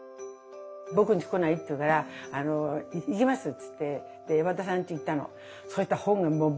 「僕んち来ない？」って言うから「行きます」っつって和田さんち行ったの。